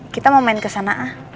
kita mau main kesana